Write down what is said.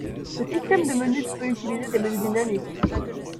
Le système de menus d' peut utiliser des menus dynamiques.